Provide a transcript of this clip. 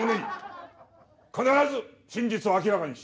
必ず真実を明らかにし。